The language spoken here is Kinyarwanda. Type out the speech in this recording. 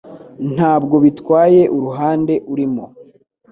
Ntabwo bitwaye uruhande urimo